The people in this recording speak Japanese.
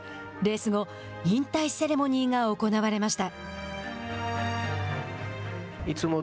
レース後引退セレモニーが行われました。